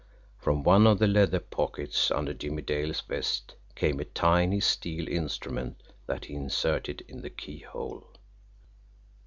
From one of the leather pockets under Jimmie Dale's vest came a tiny steel instrument that he inserted in the key hole.